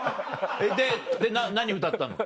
で何歌ったの？